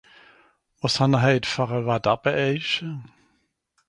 Wàs hàn'r hèit fer e Watter be èich ?